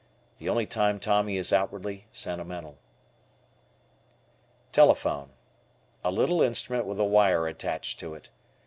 The only time Tommy is outwardly sentimental. Telephone. A little instrument with a wire attached to it.